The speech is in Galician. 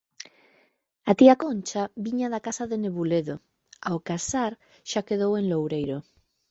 A tía Concha viña da casa de Nebuledo; ao casar, xa quedou en Loureiro